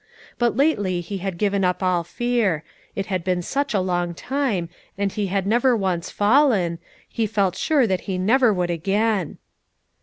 But lately he had given up all fear; it had been such a long time, and he had never once fallen, he felt sure that he never would again.